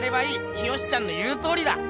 清ちゃんの言うとおりだ！